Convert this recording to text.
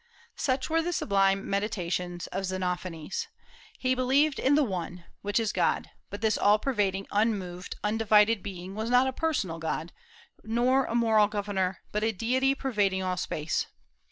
Such were the sublime meditations of Xenophanes. He believed in the One, which is God; but this all pervading, unmoved, undivided being was not a personal God, nor a moral governor, but deity pervading all space.